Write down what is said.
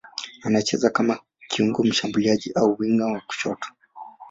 Anacheza kama kiungo mshambuliaji au winga wa kushoto.